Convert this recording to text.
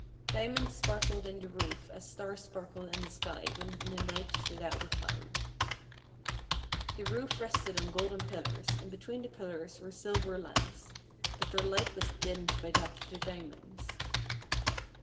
Diamonds sparkled in the roof as stars sparkle in the sky when the night is without a cloud. The roof rested on golden pil lars, and between the pillars were silver lamps, but their light was dimmed by that of the dia monds.